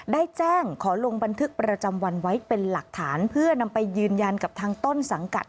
ได้แจ้งขอลงบันทึกประจำวันไว้เป็นหลักฐานเพื่อนำไปยืนยันกับทางต้นสังกัด